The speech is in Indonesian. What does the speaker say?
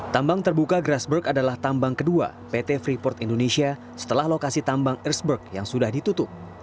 tambang terbuka grassberg adalah tambang kedua pt freeport indonesia setelah lokasi tambang earsburg yang sudah ditutup